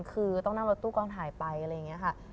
คือต้องนั่งรถตู้กองถ่ายไปอะไรอย่างนี้ค่ะ